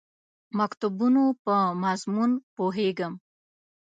مکتوبونو په مضمون پوهېږم.